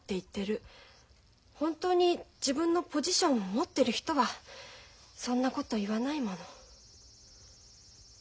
本当に自分のポジションを持ってる人はそんなこと言わないもの。